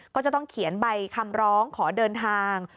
ก็จะต้องเขียนใบคำร้องขอเดินทาง